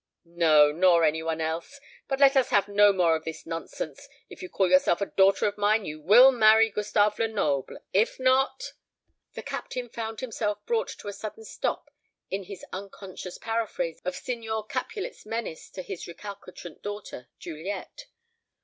"No, nor any one else. But let us have no more of this nonsense. If you call yourself a daughter of mine, you will marry Gustave Lenoble. If not " The Captain found himself brought to a sudden stop in his unconscious paraphrase of Signor Capulet's menace to his recalcitrant daughter, Juliet.